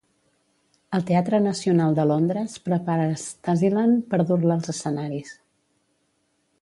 El Teatre Nacional de Londres prepara Stasiland per dur-la als escenaris.